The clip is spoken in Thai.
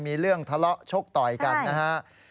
มีเรื่องทะเลาะชกต่อยกันนะฮะ